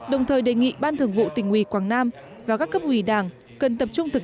đồng thời đề nghị ban thường vụ tỉnh ủy quảng nam và các cấp ủy đảng cần tập trung thực